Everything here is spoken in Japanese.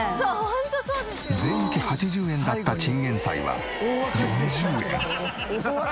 税抜き８０円だったチンゲンサイは４０円に。